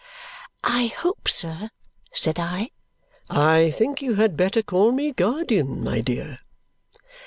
"I hope, sir " said I. "I think you had better call me guardian, my dear."